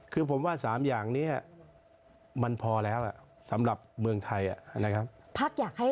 คือผมว่า๓อย่างนี้มันพอแล้วสำหรับเมืองไทยนะครับ